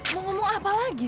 mau berbicara apa lagi